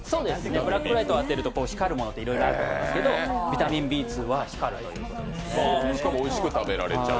ブラックライトを当てると光るものってたくさんあると思うんですけどビタミンＢ２は光る。